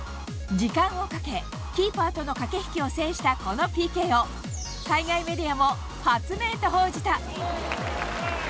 時間をかけ、キーパーとの駆け引きを制したこのＰＫを海外メディアも発明と報じた。